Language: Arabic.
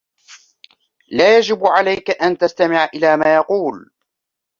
لا يجب عليك أن تستمع إلی ما يقول.